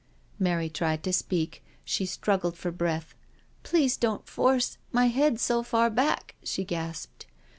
Mary tried to speak, she struggled for breath: "Please don't force— my— head so — far back," she gasped.